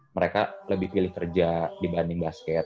mereka lebih pilih kerja dibanding basket